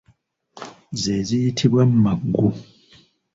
Ze ziyitibwa magu.